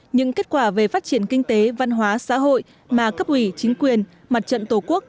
những kết quả về phát triển kinh tế văn hóa xã hội mà cấp ủy chính quyền mặt trận tổ quốc